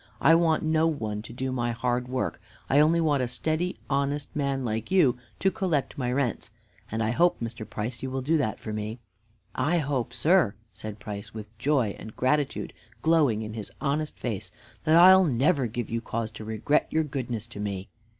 I want no one to do my hard work. I only want a steady, honest man, like you, to collect my rents, and I hope, Mr. Price, you will do that for me." "I hope, sir," said Price, with joy and gratitude glowing in his honest face, "that I'll never give you cause to regret your goodness to me."